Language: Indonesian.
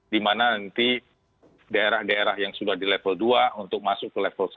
di mana nanti daerah daerah yang sudah di level dua untuk masuk ke level satu